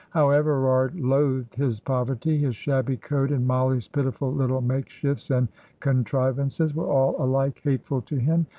How Everard loathed his poverty! His shabby coat, and Mollie's pitiful little makeshifts and contrivances, were all alike hateful to him.